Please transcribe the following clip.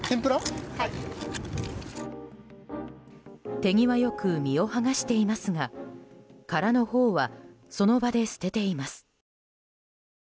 手際よく身を剥がしていますが殻のほうはその場で捨てています。